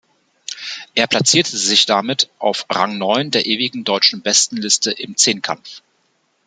Er platzierte sich damit auf Rang neun der ewigen Deutschen Bestenliste im Zehnkampf.